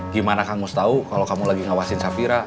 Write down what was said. gimana kamu harus tahu kalau kamu lagi ngawasin safira